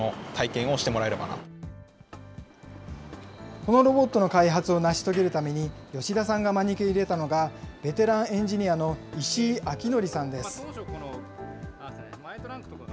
このロボットの開発を成し遂げるために、吉田さんが招き入れたのが、ベテランエンジニアの石井啓範さんです。